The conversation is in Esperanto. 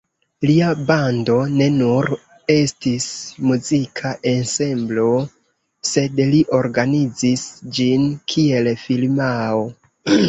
Lia bando ne nur estis muzika ensemblo, sed li organizis ĝin kiel firmao.